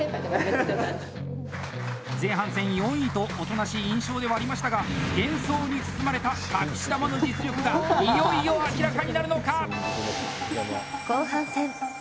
前半戦４位とおとなしい印象ではありましたが幻想に包まれた隠し球の実力がいよいよ明らかになるのか！？